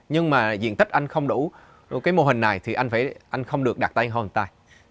nhưng mà diện tích anh không đủ cái mô hình này thì anh không được đặt tay hồn tay